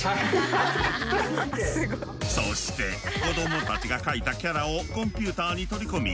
そして子供たちが描いたキャラをコンピューターに取り込み